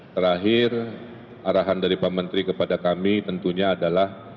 terakhir arahan dari pak menteri kepada kami tentunya adalah